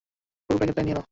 পুরো প্যাকেটটাই নিয়ে যাও।